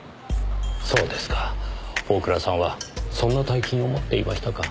そうですか大倉さんはそんな大金を持っていましたか。